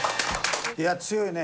いや強いね。